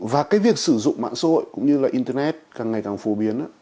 và cái việc sử dụng mạng xã hội cũng như là internet càng ngày càng phổ biến